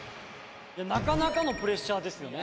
なかなかのプレッシャーですよね。